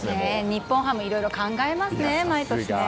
日本ハム、いろいろ考えますね毎年。